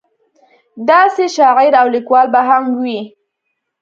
داسې شاعر او لیکوال به هم وي.